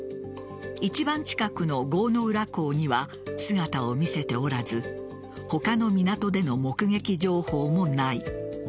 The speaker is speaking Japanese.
一番近くの郷ノ浦港には姿を見せておらず他の港での目撃情報もない。